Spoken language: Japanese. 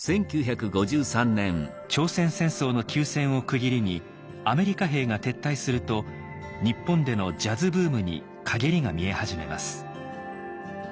朝鮮戦争の休戦を区切りにアメリカ兵が撤退すると日本でのジャズブームに陰りが見え始めます。